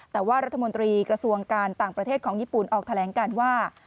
แต่ว่ารัฐมนตรีกระทรวงการต่างประเทศของญี่ปุ่นออกแถลงการว่า